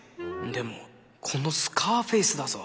でもこのスカーフェースだぞ。